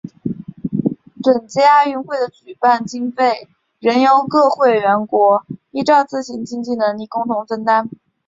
本届亚运会的举办经费仍由各会员国依照各自的经济能力共同分担。